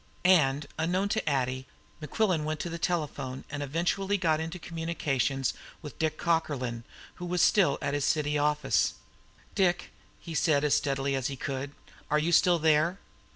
And, unknown to Addie, Mequillen went to the telephone, and eventually got into communication with Dick Cockerlyne, who was still at his city office. "Dick!" he said as steadily as he could. "Are you still there?"